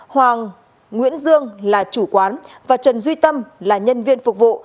hoàng nguyễn dương là chủ quán và trần duy tâm là nhân viên phục vụ